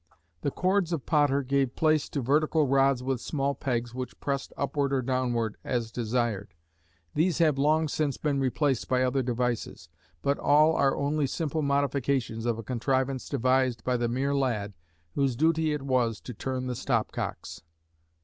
The cords of Potter gave place to vertical rods with small pegs which pressed upward or downward as desired. These have long since been replaced by other devices, but all are only simple modifications of a contrivance devised by the mere lad whose duty it was to turn the stop cocks.